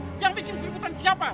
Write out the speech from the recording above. jangan bikin keliputan siapa